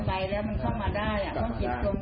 ตายจริงก็จะตายจริง